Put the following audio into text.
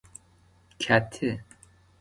کته